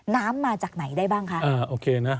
น้ำมาจากไหนได้บ้างคะ